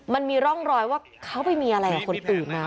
มันมีร่องรอยว่าเขาไปมีอะไรกับคนอื่นนะ